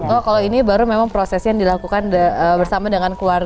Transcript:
oh kalau ini baru memang proses yang dilakukan bersama dengan keluarga